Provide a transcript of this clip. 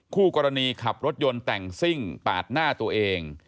คู่กรณีขับรถยนต์แต่งซิ่งปาดหน้าตัวเอง